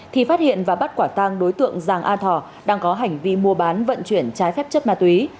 thì phát hiện và bắt quả tang đối tượng giàng a thỏ đang có hành vi mua bán vận chuyển trái phép chất ma túy